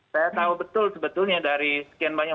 saya tahu betul sebetulnya dari sekian banyak